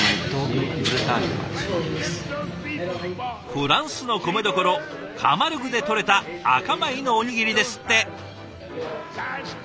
フランスの米どころカマルグでとれた赤米のおにぎりですって。